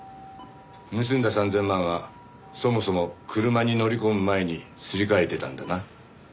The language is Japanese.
盗んだ３０００万はそもそも車に乗り込む前にすり替えてたんだな？